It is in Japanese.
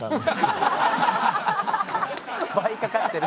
倍かかってる。